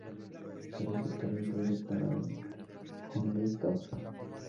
Es receptor de tres Doctorados Honoris Causa.